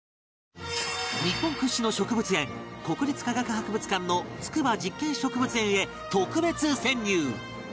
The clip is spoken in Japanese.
日本屈指の植物園国立科学博物館の筑波実験植物園へ特別潜入！